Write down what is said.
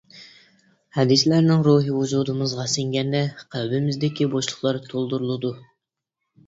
ھەدىسلەرنىڭ روھى ۋۇجۇدىمىزغا سىڭگەندە قەلبىمىزدىكى بوشلۇقلار تولدۇرۇلىدۇ.